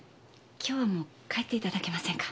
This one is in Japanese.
今日はもう帰って頂けませんか。